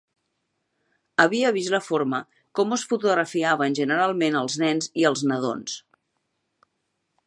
"Havia vist la forma com es fotografiaven generalment els nens i els nadons".